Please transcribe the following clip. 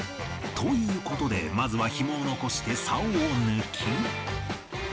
という事でまずはひもを残して竿を抜き